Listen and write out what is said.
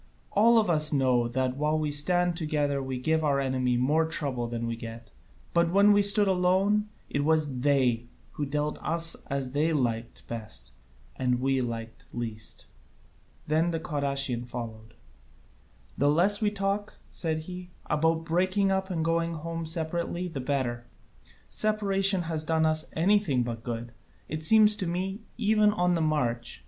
All of us know that while we stand together we give our enemy more trouble than we get: but when we stood alone it was they who dealt with us as they liked best and we liked least." Then the Cadousian followed. "The less we talk," said he, "about breaking up and going home separately the better; separation has done us anything but good, it seems to me, even on the march.